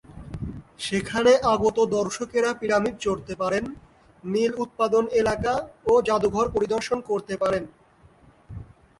সেখানে আগত দর্শকেরা পিরামিড চড়তে পারেন, নীল উৎপাদন এলাকা ও জাদুঘর পরিদর্শন করতে পারেন।